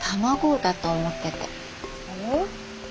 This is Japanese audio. えっ？